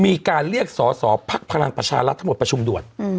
มีการเรียกสอสอภักดิ์พลังประชารัฐทั้งหมดประชุมด่วน